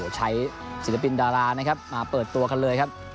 ใช้ศิลปินดารานะครับมาเปิดตัวกันเลยครับ